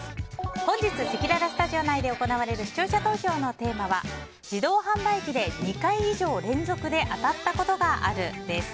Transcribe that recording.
本日せきららスタジオ内で行われる視聴者投票のテーマは自動販売機で２回以上連続で当たったことがあるです。